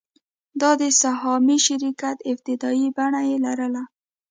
دا د سهامي شرکت ابتدايي بڼه یې لرله.